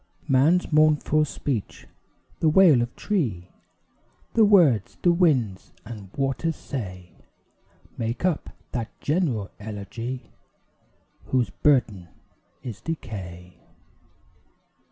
Man's mournful speech, the wail of tree, The words the winds and waters say, Make up that general elegy, Whose burden is decay.